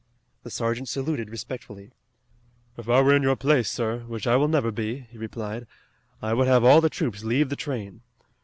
The sergeant saluted respectfully. "If I were in your place, sir, which I never will be," he replied, "I would have all the troops leave the train.